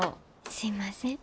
すいません。